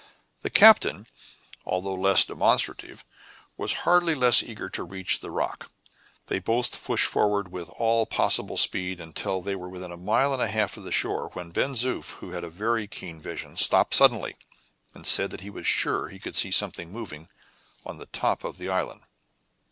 The captain, although less demonstrative, was hardly less eager to reach the rock. They both pushed forward with all possible speed till they were within a mile and a half of the shore, when Ben Zoof, who had a very keen vision, stopped suddenly, and said that he was sure he could see something moving on the top of the island.